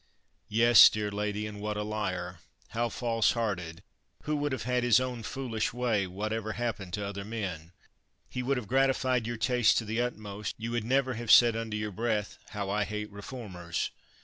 Yes, dear lady, and what a liar! how false hearted! who would have had his own foolish way whatever happened to other men! He would have gratified your taste to the utmost; you would never have said under your breath, "How I hate reformers!"